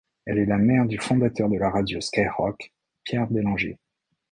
Elle est la mère du fondateur de la radio Skyrock, Pierre Bellanger.